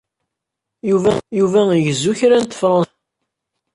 Yuba igezzu kra n tefransist.